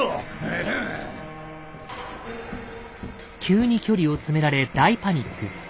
急に距離を詰められ大パニック。